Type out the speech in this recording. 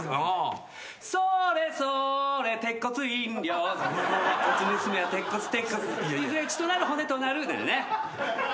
「そーれそーれ鉄骨飲料」「鉄骨娘は鉄骨鉄骨」「いずれ血となる骨となる」だよね。